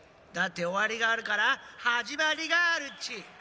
だっておわりがあるからはじまりがあるっち。